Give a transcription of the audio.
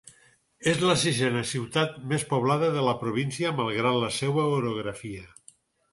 És la sisena ciutat més poblada de la província malgrat la seua orografia.